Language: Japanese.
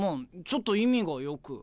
ちょっと意味がよく。